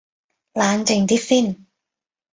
冷靜啲先